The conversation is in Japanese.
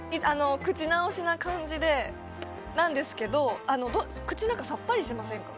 口直しの感じでなんですけど口の中さっぱりしませんか。